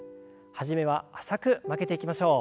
初めは浅く曲げていきましょう。